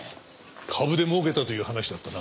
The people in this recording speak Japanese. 株でもうけたという話だったな。